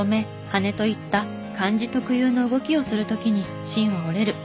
「はね」といった漢字特有の動きをする時に芯は折れる。